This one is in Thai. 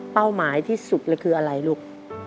หมายที่สุดเลยคืออะไรลูก